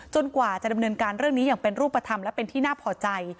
กว่าจะดำเนินการเรื่องนี้อย่างเป็นรูปธรรมและเป็นที่น่าพอใจ